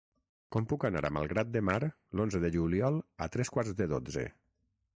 Com puc anar a Malgrat de Mar l'onze de juliol a tres quarts de dotze?